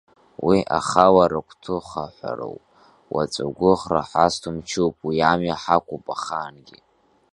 Уи ахалара гәҭыхаҳәароуп, уаҵә агәыӷра ҳазҭо мчуп, уи амҩа ҳақәуп ахаангьы.